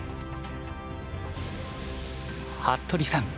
服部さん